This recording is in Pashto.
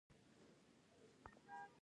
د شېخ ملکیار د شعر ژبه او الفاظ سوچه دي.